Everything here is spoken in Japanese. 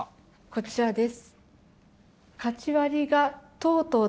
こちらです。